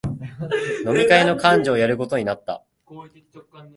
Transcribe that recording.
飲み会の幹事をやることになった